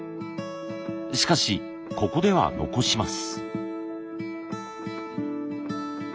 しかしここでは残します。